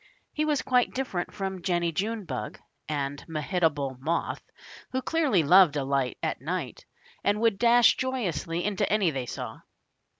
He was quite different from Jennie Junebug and Mehitable Moth, who dearly loved a light at night, and would dash joyously into any they saw.